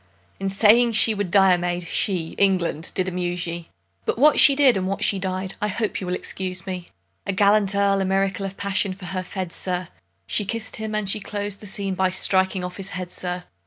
In saying she would die a maid, she, England! did amuse ye. But what she did, and what she died—I hope you will excuse me: A gallant Earl a miracle of passion for her fed, sir; She kiss'd him, and she clos'd the scene by striking off his head, sir!